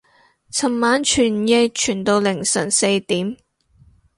尋晚傳譯傳到凌晨四點